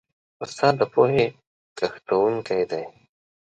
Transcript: استاد د پوهې کښتونکی دی.